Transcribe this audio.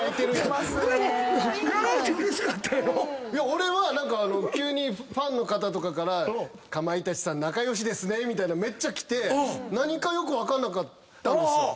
俺は急にファンの方とかからかまいたちさん仲良しですねみたいなめっちゃ来て何かよく分かんなかったんですよ。